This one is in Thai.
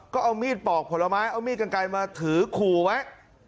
ก็เอามีดปอกผลไม้เอามีดกันไกลมาถือขู่ไว้